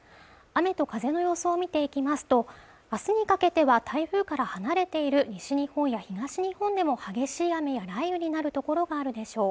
雨と風の予想を見ていきますとあすにかけては台風から離れている西日本や東日本でも激しい雨や雷雨になる所があるでしょう